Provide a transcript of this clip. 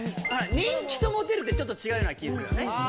人気とモテるってちょっと違うような気するよね